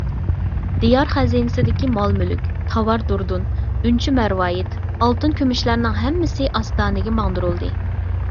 دىيار خەزىنىسىدىكى مال - مۈلۈك، تاۋار - دۇردۇن، ئۈنچە - مەرۋايىت، ئالتۇن - كۈمۈشلەرنىڭ ھەممىسى ئاستانىگە ماڭدۇرۇلدى.